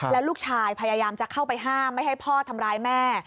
แล้วลูกชายพยายามจะเข้าไปห้ามไม่ให้พ่อทำร้ายแม่